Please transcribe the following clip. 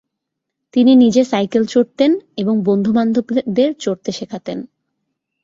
তিনি নিজে সাইকেল চড়তেন এবং বন্ধু বান্ধবদের চড়তে শেখাতেন।